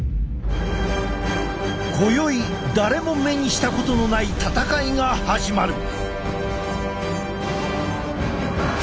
今宵誰も目にしたことのない戦いが始まる。